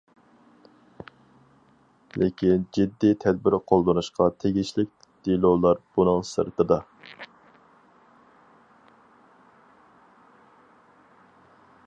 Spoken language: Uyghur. لېكىن جىددىي تەدبىر قوللىنىشقا تېگىشلىك دېلولار بۇنىڭ سىرتىدا.